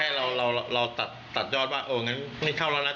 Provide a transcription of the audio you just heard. แต่จะแอบมาเอาอะไรก็ไม่รู้ตอนเชื่อมคืน